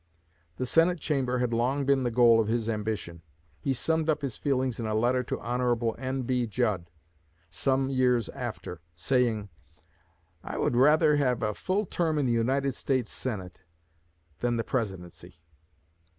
The Senate Chamber had long been the goal of his ambition. He summed up his feelings in a letter to Hon. N.B. Judd, some years after, saying, "I would rather have a full term in the United States Senate than the Presidency."